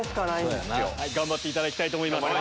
頑張っていただきたいと思います。